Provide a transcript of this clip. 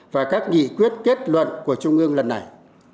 và các nghị quyết kết luận của trung ương lần này